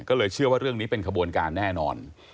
ก็เลยเชื่อว่าเรื่องนี้เป็นขบวนการแน่นอน